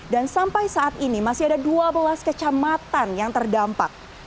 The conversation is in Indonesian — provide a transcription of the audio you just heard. dan sampai saat ini masih ada dua belas kecamatan yang terdampak